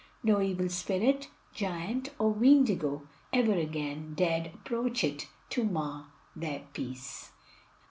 No evil spirit, giant, or Weendigo, ever again dared approach it to mar their peace.